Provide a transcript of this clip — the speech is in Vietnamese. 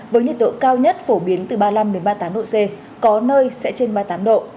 với nhiệt độ cao nhất phổ biến từ ba mươi năm ba mươi tám độ c có nơi sẽ trên ba mươi tám độ